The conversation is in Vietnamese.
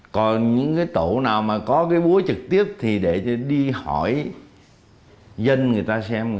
còn những cái tổ nào mà có cái búa trực tiếp thì để đi hỏi dân người ta xem